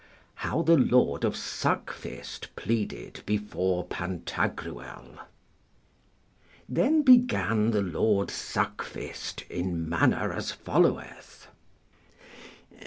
How the Lord of Suckfist pleaded before Pantagruel. Then began the Lord Suckfist in manner as followeth.